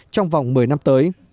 trong vòng một mươi năm tới